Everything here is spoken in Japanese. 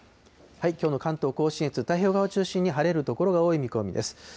きょうの関東甲信越、太平洋側を中心に晴れる所が多い見込みです。